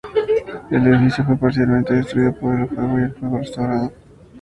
El edificio fue parcialmente destruido por el fuego y luego restaurado.